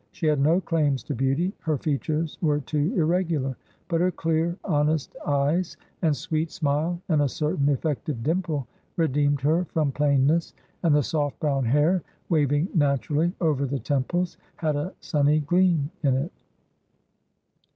She had no claims to beauty; her features were too irregular, but her clear, honest eyes and sweet smile and a certain effective dimple redeemed her from plainness, and the soft brown hair waving naturally over the temples had a sunny gleam in it.